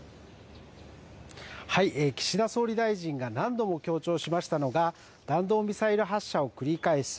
岸田総理大臣が、何度も強調しましたのが、弾道ミサイル発射を繰り返す